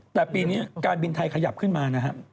แต่ปีนี้การบินไทยขยับขึ้นมานะครับ